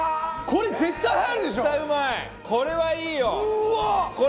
これはいいよ！